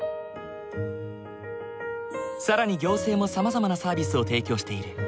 更に行政もさまざまなサービスを提供している。